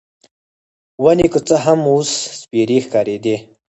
ونې که څه هم، اوس سپیرې ښکارېدې.